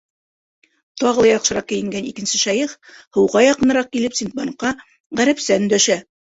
Тағы ла яҡшыраҡ кейенгән икенсе шәйех, һыуға яҡыныраҡ килеп, Синдбадҡа ғәрәпсә өндәшә: